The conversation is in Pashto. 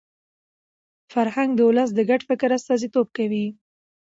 فرهنګ د ولس د ګډ فکر استازیتوب کوي.